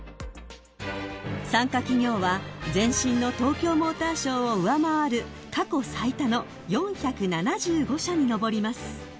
［参加企業は前身の東京モーターショーを上回る過去最多の４７５社に上ります］